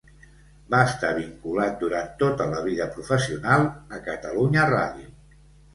Va estar vinculat durant tota la vida professional a Catalunya Ràdio.